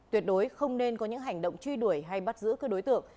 tuyệt đối không nên có những hành động truy đuổi hay bắt giữ các đối tượng